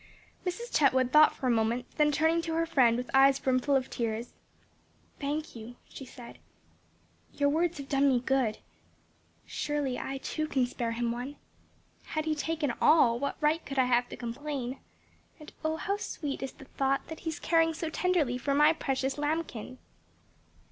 Mrs. Chetwood thought for a moment, then turning to her friend with eyes brimful of tears, "Thank you," she said, "your words have done me good. Surely I too, can spare Him one. Had He taken all, what right could I have to complain? and oh, how sweet is the thought that He is caring so tenderly for my precious lambkin!"